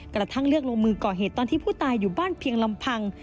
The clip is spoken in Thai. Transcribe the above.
กระทั่งเลือกลงมือก่อเหตุตอนที่ผู้ตายอยู่บ้านเพียงลำพัง